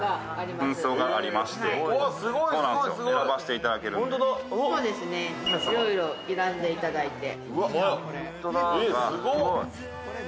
いろいろ選んでいただいて。